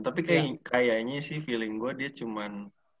tapi kayaknya sih feeling gue dia cuma